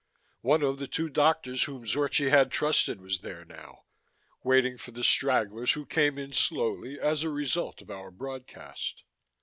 One of the two doctors whom Zorchi had trusted was there now, waiting for the stragglers who came in slowly as a result of our broadcast.